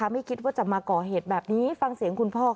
ไม่คิดว่าจะมาก่อเหตุแบบนี้ฟังเสียงคุณพ่อค่ะ